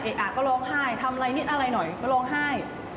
อ่ะก็ร้องไห้ทำอะไรนิดอะไรหน่อยก็ร้องไห้